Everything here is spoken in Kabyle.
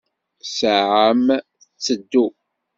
Ssaɛa-m tteddu.